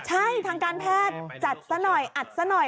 ใช่ทางการแพทย์จัดซะหน่อยอัดซะหน่อย